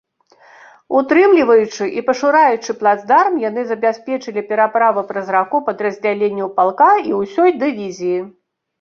Утрымліваючы і пашыраючы плацдарм, яны забяспечылі пераправу праз раку падраздзяленняў палка і ўсёй дывізіі.